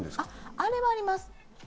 あれはあります。